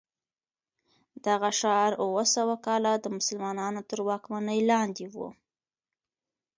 دغه ښار اوه سوه کاله د مسلمانانو تر واکمنۍ لاندې و.